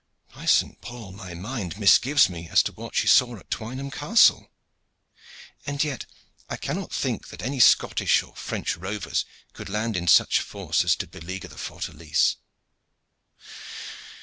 "By Saint Paul! my mind misgives me as to what she saw at Twynham Castle. And yet I cannot think that any Scottish or French rovers could land in such force as to beleaguer the fortalice.